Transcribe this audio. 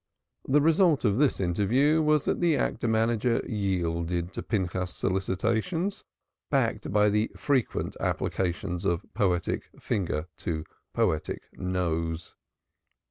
The result of this interview was that the actor manager yielded to Pinchas's solicitations, backed by frequent applications of poetic finger to poetic nose.